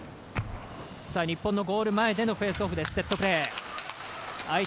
日本のゴール前でのフェイスオフ。